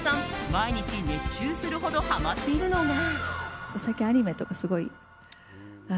毎日熱中するほどハマっているのが。